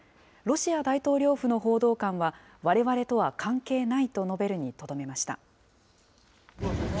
ロシア大統領府の報道官は、われわれとは関係ないと述べるにとどめました。